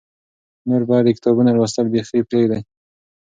نور باید د کتابونو لوستل بیخي پرېږدې.